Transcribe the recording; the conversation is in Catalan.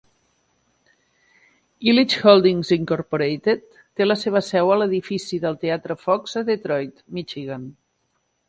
Ilitch Holdings, Incorporated té la seva seu a l"Edifici del Teatre Fox a Detroit, Michigan.